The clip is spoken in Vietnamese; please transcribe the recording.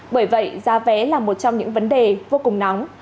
bởi vậy giá vé là một trong những vấn đề vô cùng nóng